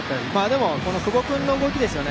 でも、この久保君の動きですよね。